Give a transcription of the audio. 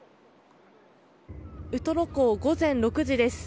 ウトロ港、午前６時です。